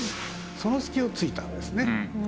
その隙を突いたんですね。